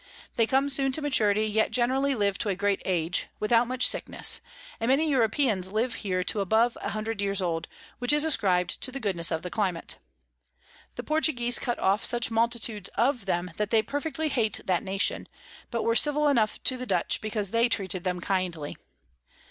They come soon to Maturity, yet generally live to a great Age, without much Sickness; and many Europeans live here to above a hundred Years old, which is ascrib'd to the Goodness of the Climate. The Portuguese cut off such multitudes of 'em, that they perfectly hate that Nation, but were civil enough to the Dutch because they treated them kindly.